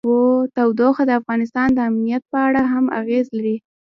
تودوخه د افغانستان د امنیت په اړه هم اغېز لري.